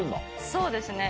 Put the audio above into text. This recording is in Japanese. そうですね。